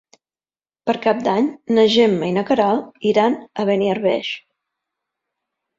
Per Cap d'Any na Gemma i na Queralt iran a Beniarbeig.